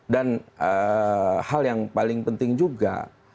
dan hal yang paling penting juga